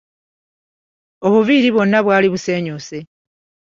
Obuviiri bwonna bwali buseenyuuse.